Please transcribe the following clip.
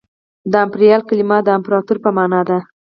د امپریال کلمه د امپراطور په مانا ده